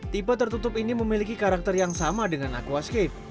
tipe tertutup ini memiliki karakter yang sama dengan aquascape